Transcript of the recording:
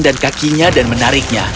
dan kakinya dan menariknya